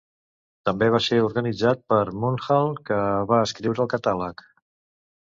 També va ser organitzat per Munhall, que va escriure el catàleg.